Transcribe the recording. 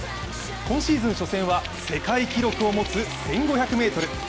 今シーズン初戦は世界記録を持つ１５００ｍ。